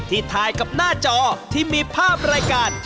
ถ่ายกับหน้าจอที่มีภาพรายการ